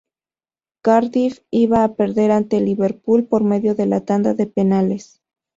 Cardiff iba a perder ante el Liverpool por medio de la tanda de penales.